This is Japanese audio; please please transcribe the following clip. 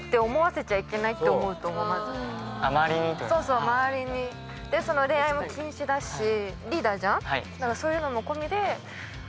まず周りにそうそう周りに恋愛も禁止だしリーダーじゃん？